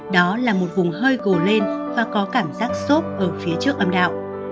đó là một vùng hơi gồ lên và có cảm giác xốp ở phía trước âm đạo